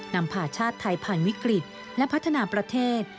ผ่าชาติไทยผ่านวิกฤตและพัฒนาประเทศ